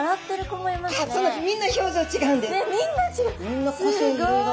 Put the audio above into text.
みんな個性いろいろ。